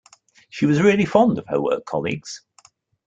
She was really fond of her work colleagues.